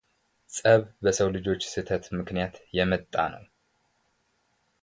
ጸብ በሰው ልጆች ስሕተት ምክንያት የመጣ ነው።